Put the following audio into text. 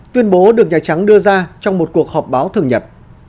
tuyên bố được nhà trắng đưa ra trong một cuộc họp báo thường nhật